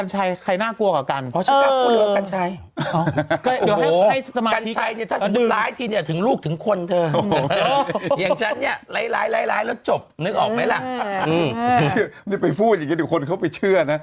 ระหว่างโมดดำกันกันกันชัยใครน่ากลัวกัน